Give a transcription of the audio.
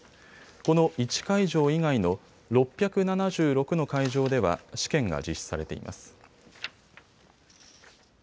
この１会場以外の６７６の会場では試験が実施されています。